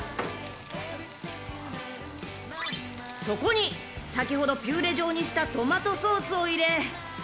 ［そこに先ほどピューレ状にしたトマトソースを入れ］